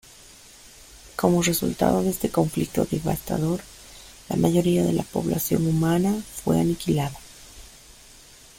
Como resultado de este conflicto devastador, la mayoría de la población humana fue aniquilada.